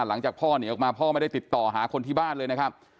หลังจากพ่อหนีออกมาพ่อไม่ได้ติดต่อหาคนที่บ้านเลยนะครับ